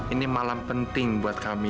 ini malam penting buat kami